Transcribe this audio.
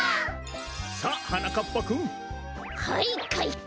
さあはなかっぱくん！はいかいか！